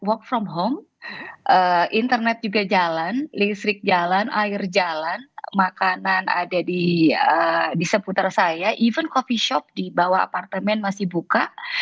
work from home internet juga jalan listrik jalan air jalan makanan ada di seputar saya even coffee shop di bawah apartemen masih buka